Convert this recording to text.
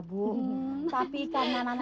bu tapi karena